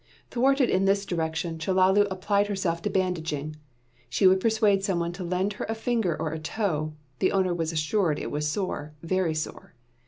Thwarted in this direction, Chellalu applied herself to bandaging. She would persuade someone to lend her a finger or a toe; the owner was assured it was sore very sore.